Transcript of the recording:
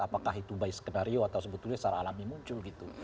apakah itu by skenario atau sebetulnya secara alami muncul gitu